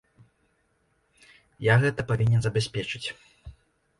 Я гэта павінен забяспечыць.